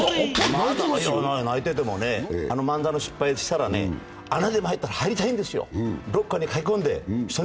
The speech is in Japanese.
泣いてててもね、失敗したら穴でもあったら入りたいんですよ、どこかに駆け込んで。